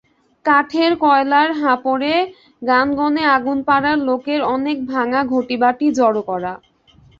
কাঠের কয়লার হাপরে গানগনে আগুন, পাড়ার লোকের অনেক ভাঙা ঘটিবাটি জড়ো করা।